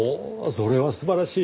それは素晴らしい。